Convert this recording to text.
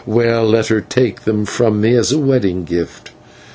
Well, let her take them from me as a wedding gift.